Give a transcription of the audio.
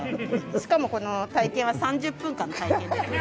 しかもこの体験は３０分間体験できる。